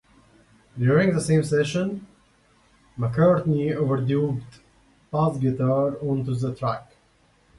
During the same session, McCartney overdubbed bass guitar onto the track.